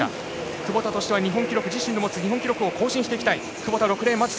窪田としては自身の持つ日本記録を更新していきたい。